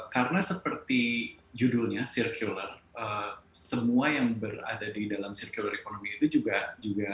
karena seperti judulnya circular semua yang berada di dalam circular economy itu juga berada dalam posisi yang berbeda